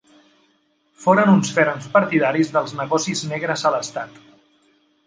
Foren uns ferms partidaris dels negocis negres a l'estat.